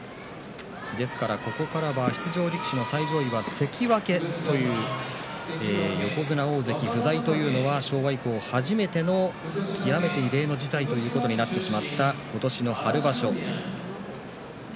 ですから、ここからは出場力士の最上位は関脇という横綱大関不在というのは昭和以降初めての極めて異例の事態ということになってしまった今年の春場所。